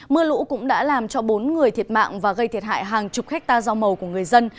mưa lũ cũng đã làm cho bốn người thiệt mạng và gây thiệt hại hàng chục hectare dao màu của người dân